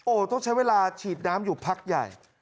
ต้องใช้เวลาฉีดน้ำอยู่พักใหญ่